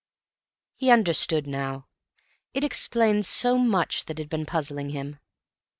He understood now. It explained so much that had been puzzling him.